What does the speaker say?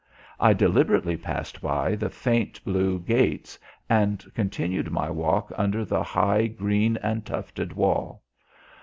I deliberately passed by the faint blue gates and continued my walk under the high green and tufted wall.